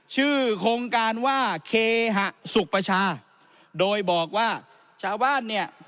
ชื่อโครงการว่าเคหะสุขประชาโดยบอกว่าชาวบ้านเนี่ย